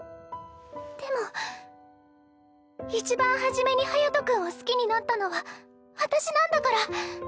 でもいちばん初めに隼君を好きになったのは私なんだから！